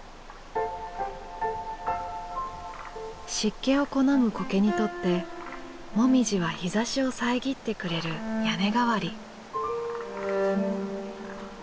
湿気を好むコケにとってもみじは日ざしを遮ってくれる屋根代わり。